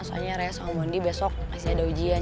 soalnya raya sama om bondi besok masih ada ujian